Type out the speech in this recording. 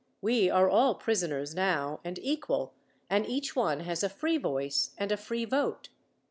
"We are all prisoners now, and equal, and each one has a free voice and a free vote."